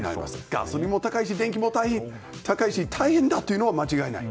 ガソリンも高いし電気も高いしで大変だというのは間違いない。